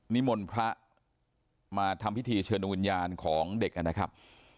นิมนต์พระมาทำพิธีเชิญดวงวิญญาณของเด็กนะครับ